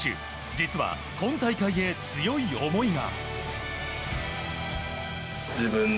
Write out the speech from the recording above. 実は、今大会へ強い思いが。